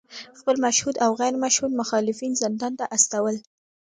خپل مشهود او غیر مشهود مخالفین زندان ته استول